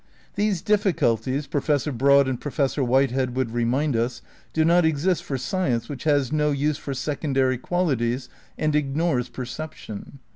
These difficulties. Professor Broad and Professor Whitehead would remind us, do not exist for science which has no use for secondary qualities and ignores perception.